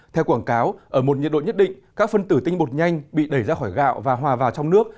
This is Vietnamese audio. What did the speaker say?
theo quảng cáo ở một nhiệt độ nhất định các phân tử tinh bột nhanh bị đẩy ra khỏi gạo và hòa vào trong nước